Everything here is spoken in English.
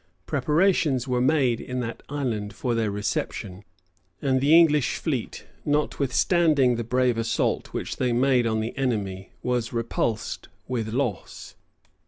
Preparations were made in that island for their reception; and the English fleet, notwithstanding the brave assault which they made on the enemy, was repulsed with loss.